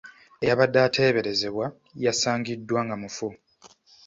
Eyabadde ateeberezebwa yasangiddwa nga mufu.